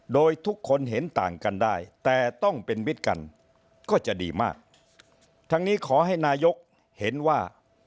โดยทุกคนเห็นต่างกันได้แต่ต้องเป็นมิตรกันก็จะดีมากทั้งนี้ขอให้นายกเห็นว่า